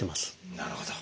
なるほど。